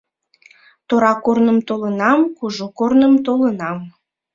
Тора корным толынам, кужу корным толынам